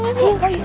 ya ini bagus